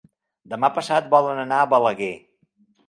Demà passat volen anar a Balaguer.